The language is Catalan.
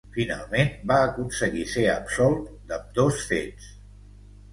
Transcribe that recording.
Finalment va aconseguir ser absolt d'ambdós fets.